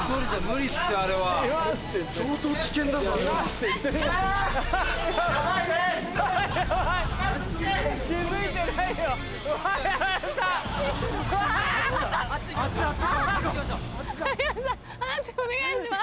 判定お願いします。